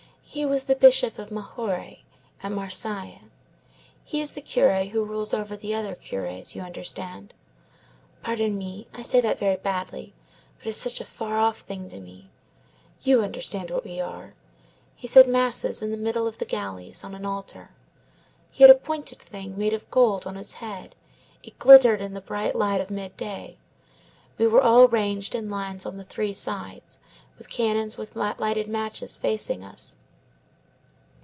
He was the Bishop of Majore at Marseilles. He is the curé who rules over the other curés, you understand. Pardon me, I say that very badly; but it is such a far off thing to me! You understand what we are! He said mass in the middle of the galleys, on an altar. He had a pointed thing, made of gold, on his head; it glittered in the bright light of midday. We were all ranged in lines on the three sides, with cannons with lighted matches facing us.